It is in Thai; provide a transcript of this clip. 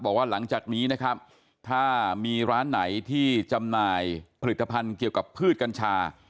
บอกว่าหลังจากนี้นะครับถ้ามีร้านไหนที่จำหน่ายผลิตภัณฑ์เกี่ยวกับพืชกัญชา